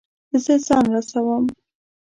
زه ځان رسوم